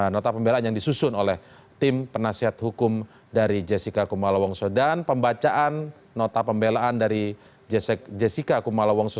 nota pembelaan yang disusun oleh tim penasihat hukum dari jessica kumala wongso dan pembacaan nota pembelaan dari jessica kumala wongso